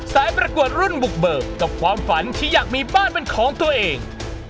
ประกวดรุ่นบุกเบิกกับความฝันที่อยากมีบ้านเป็นของตัวเอง